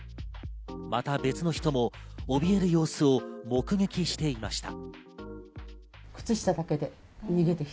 また別の人もおびえる様子を目撃していました。